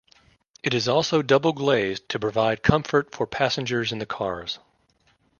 It is also double-glazed to provide comfort for passengers in the cars.